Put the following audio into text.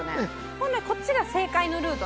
本来こっちが正解のルート？